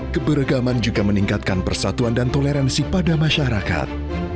keberagaman juga meningkatkan persatuan dan toleransi pada masyarakat